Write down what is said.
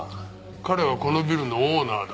彼はこのビルのオーナーだ。